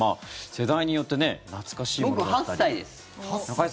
世代によって懐かしいものだったり。